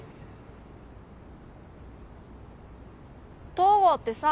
東郷ってさ